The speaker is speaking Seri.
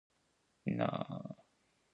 Siimet quih cooitom iha.